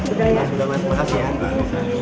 udah jauh pergi